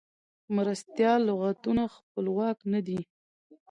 مرستیال لغتونه خپلواک نه دي.